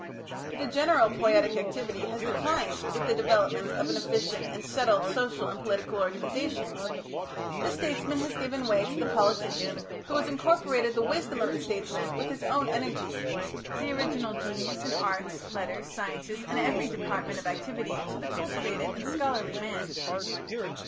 The general poietic activity has declined with the development of an efficient and settled social and political organisation; the statesman has given way to the politician who has incorporated the wisdom of the statesman with his own energy, the original genius in arts, letters, science, and every department of activity to the cultivated and scholarly man.